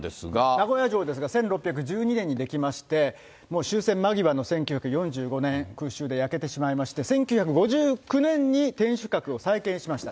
名古屋城ですが、１６１２年にできまして、もう終戦間際の１９４５年、空襲で焼けてしまいまして、１９５９年に天守閣を再建しました。